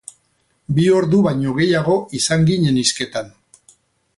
Bi ordu baino gehiago izan ginen hizketan.